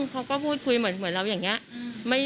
เขาก็พูดคุยเหมือนเราอย่างนี้